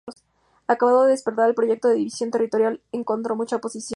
Acabado de presentar, el proyecto de división territorial encontró mucha oposición.